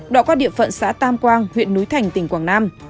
đoạn qua địa phận xã tam quang huyện núi thành tỉnh quảng nam